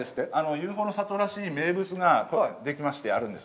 ＵＦＯの里らしい名物ができまして、あるんです。